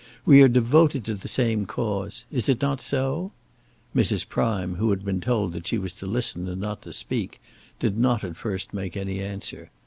We are devoted to the same cause: is it not so?" Mrs. Prime, who had been told that she was to listen and not to speak, did not at first make any answer.